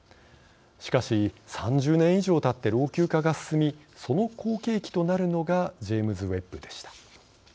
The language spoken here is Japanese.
しかし３０年以上たって老朽化が進みその後継機となるのがジェームズ・ウェッブでした。